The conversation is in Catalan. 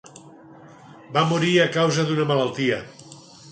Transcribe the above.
Va morir a causa d'una malaltia.